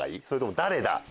それとも「誰だ！」